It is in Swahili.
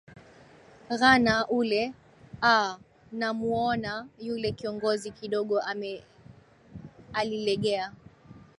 ghana ule aa namuuona yule kiongozi kidogo ame alilegea